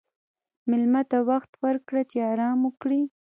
مېلمه ته وخت ورکړه چې آرام وکړي.